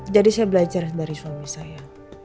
jadi saya belajar dari suami saya